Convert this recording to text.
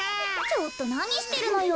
ちょっとなにしてるのよ。